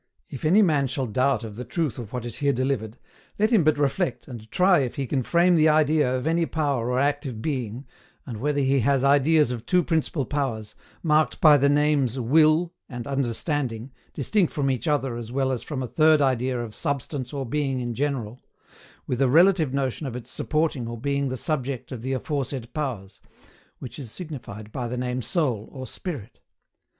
If any man shall doubt of the truth of what is here delivered, let him but reflect and try if he can frame the idea of any power or active being, and whether he has ideas of two principal powers, marked by the names WILL and UNDERSTANDING, distinct from each other as well as from a third idea of Substance or Being in general, with a relative notion of its supporting or being the subject of the aforesaid powers which is signified by the name SOUL or SPIRIT.